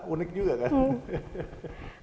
unik juga kan